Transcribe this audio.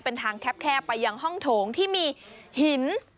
เป็นทางแคบไปยังห้องโถงที่มีหิน